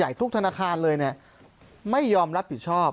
ใหญ่ทุกธนาคารเลยเนี่ยไม่ยอมรับผิดชอบ